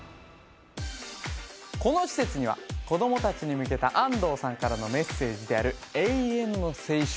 この施設には子ども達に向けた安藤さんからのメッセージである永遠の青春